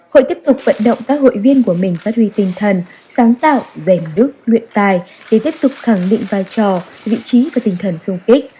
hội tiếp tục vận động các hội viên của mình phát huy tinh thần sáng tạo rèn đức luyện tài để tiếp tục khẳng định vai trò vị trí và tinh thần sung kích